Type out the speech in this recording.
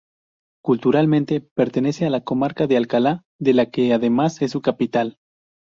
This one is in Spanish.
Culturalmente, pertenece a la comarca de Alcalá de la que además es su capital.